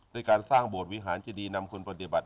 ได้การสร้างโบสถ์วิหารเจษีย์ดีนำควรปฎิบัติ